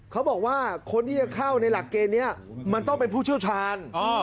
เขาบอกว่าคนที่จะเข้าในหลักเกณฑ์นี้มันต้องเป็นผู้เชี่ยวชาญ